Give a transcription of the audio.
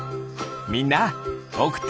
みんなおくってね！